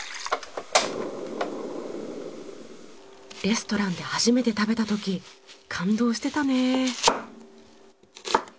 レストランで初めて食べた時感動してたね。